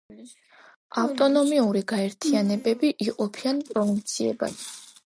ავტონომიური გაერთიანებები იყოფიან პროვინციებად.